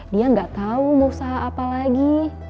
dia gak tau mau usaha apa lagi